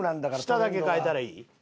下だけ替えたらいい？